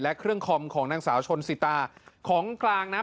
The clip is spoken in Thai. และเครื่องคอมของนางสาวชนสิตาของกลางนะ